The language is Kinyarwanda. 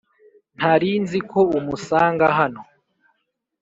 Ntarinziko umusanga hano